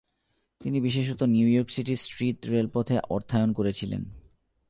তিনি বিশেষত New York সিটির স্ট্রিট রেলপথে অর্থায়ন করেছিলেন।